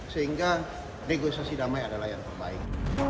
sehingga negosiasi damai adalah yang terbaik